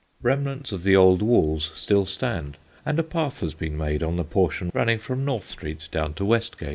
Remnants of the old walls still stand; and a path has been made on the portion running from North Street down to West Gate.